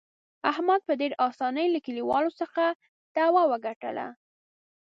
احمد په ډېر اسانۍ له کلیوالو څخه دعوه وګټله.